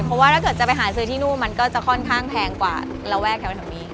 เพราะว่าถ้าเกิดจะไปหาซื้อที่นู่นมันก็จะค่อนข้างแพงกว่าระแวกแถวนี้